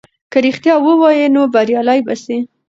که رښتیا ووایې نو بریالی به سې.